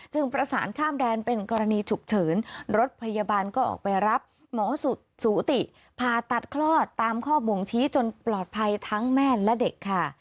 ประสานข้ามแดนเป็นกรณีฉุกเฉินรถพยาบาลก็ออกไปรับหมอสูติผ่าตัดคลอดตามข้อบ่งชี้จนปลอดภัยทั้งแม่และเด็กค่ะ